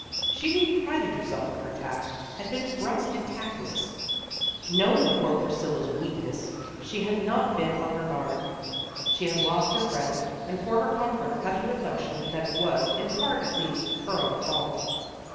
She who prided herself on her tact, had been brusque and tactless. Knowing poor Pris cilla's weakness, she had not been on her guard. She had lost her friend, and for her comfort had the reflection that it was, hi part at least, her own fault.